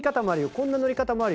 こんなノリ方もあるよ。